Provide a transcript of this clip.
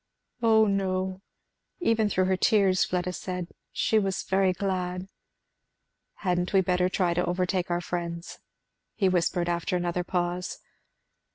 "O no!" even through her tears Fleda said, "she was very glad." "Hadn't we better try to overtake our friends?" he whispered after another pause.